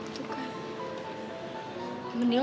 anak itu kebagan mimpi moeten besar